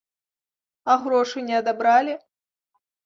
А грошы не адабралі?